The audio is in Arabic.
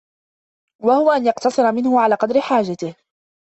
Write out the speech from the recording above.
وَهُوَ أَنْ يَقْتَصِرَ مِنْهُ عَلَى قَدْرِ حَاجَتِهِ